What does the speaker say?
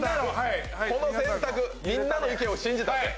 この選択、みんなの意見を信じたね。